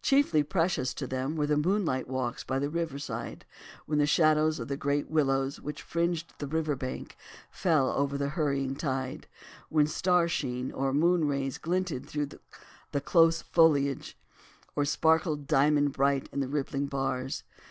Chiefly precious to them were the moonlight walks by the river side when the shadows of the great willows which fringed the river bank fell over the hurrying tide, when star sheen or moonrays glinted through the close foliage or sparkled diamond bright on the rippling bars.